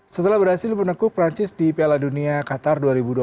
setelah berhasil menekuk perancis di piala dunia qatar dua ribu dua puluh